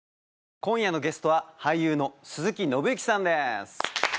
今夜のゲストは俳優の鈴木伸之さんです。